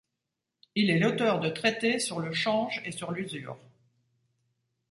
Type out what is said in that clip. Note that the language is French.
Il est l'auteur de traités sur le change et sur l'usure.